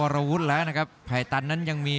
รับทราบบรรดาศักดิ์